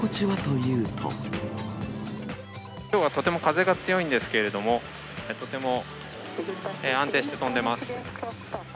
きょうはとても風が強いんですけれども、とても安定して飛んでます。